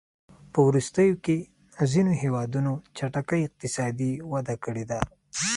په وروستیو کې ځینو هېوادونو چټکې اقتصادي وده کړې ده.